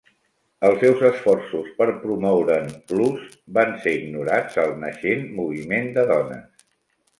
Els seus esforços per promoure'n l'ús van ser ignorats al naixent Moviment de Dones.